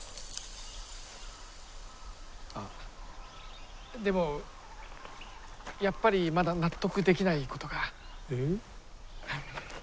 あでもやっぱりまだ納得できないことが。え？